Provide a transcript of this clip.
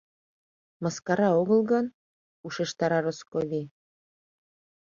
— Мыскара огыл гын... — ушештара Росковий.